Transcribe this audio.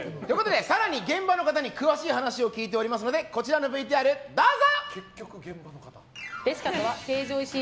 更に現場の方に詳しい話を聞いているのでこちらのＶＴＲ、どうぞ！